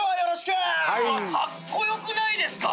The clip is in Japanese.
かっこよくないですか？